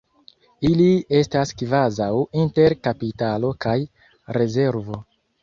Ili estas kvazaŭ inter kapitalo kaj rezervo.